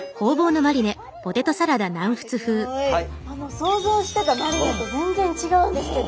想像してたマリネと全然違うんですけど。